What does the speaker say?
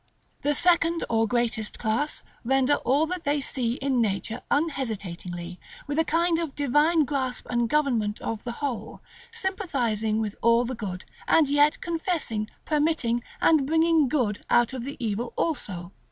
The second, or greatest class, render all that they see in nature unhesitatingly, with a kind of divine grasp and government of the whole, sympathizing with all the good, and yet confessing, permitting, and bringing good out of the evil also.